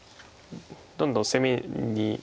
どんどん攻めに。